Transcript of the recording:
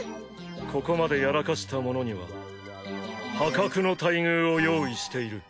ここまでやらかした者には破格の待遇を用意している。